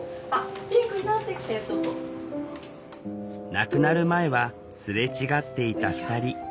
亡くなる前はすれ違っていた２人。